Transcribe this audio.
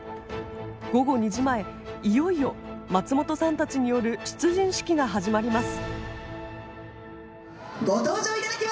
午後２時前いよいよ松本さんたちによる出陣式が始まります。